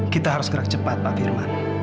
kita harus gerak cepat pak firman